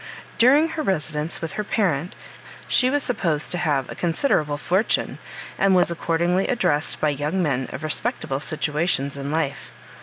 During her residence with her parent she was supposed to have a considerable fortune, and was accordingly addressed by young men of respectable situations in life.